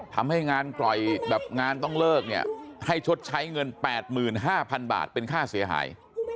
ทำให้งานปล่อยแบบงานต้องเลิกเนี่ยให้ชดใช้เงิน๘๕๐๐๐บาทเป็นค่าเสียหาย